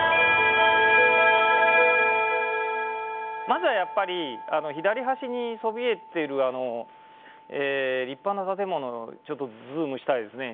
まずは、やっぱり左端にそびえてる、立派な建物ちょっとズームしたいですね。